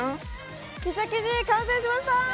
ピザ生地完成しました！